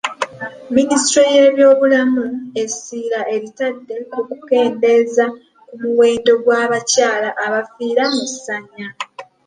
Minisitule y'ebyobulamu essira eritadde ku kukendeeza ku muwendo gw'abakyala abafiira mu ssanya.